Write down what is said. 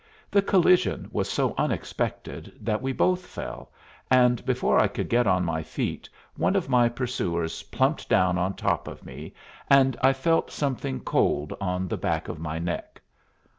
The collision was so unexpected that we both fell, and before I could get on my feet one of my pursuers plumped down on top of me and I felt something cold on the back of my neck.